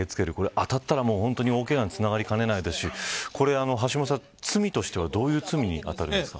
当たったら本当に大けがにつながりかねないですし橋下さん、罪としてはどういう罪に当たりますか。